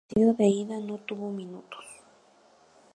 En el partido de ida, no tuvo minutos.